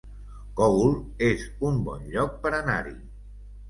Cogul, el es un bon lloc per anar-hi